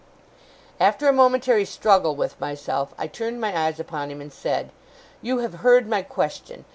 After a momentary struggle with myself, I turned my eyes upon him, and said, 'You have heard my question.